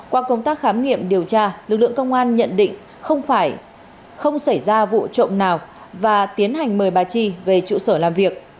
qua công tác khám nghiệm điều tra lực lượng công an nhận định không xảy ra vụ trộm nào và tiến hành mời bà chi về trụ sở làm việc